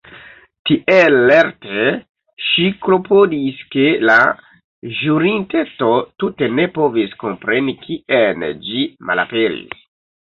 Tiel lerte ŝi klopodis ke la ĵurinteto tute ne povis kompreni kien ĝi malaperis.